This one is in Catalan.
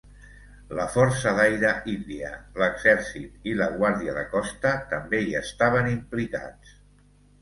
La Força d'Aire índia, l'Exèrcit i la Guàrdia de Costa també hi estaven implicats.